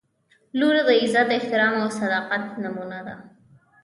• لور د عزت، احترام او صداقت نمونه ده.